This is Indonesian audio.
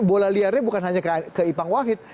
bola liarnya bukan hanya ke ipang wahid